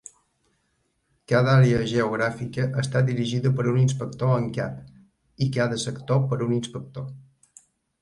Cada àrea geogràfica està dirigida per un inspector en cap i cada sector per un inspector.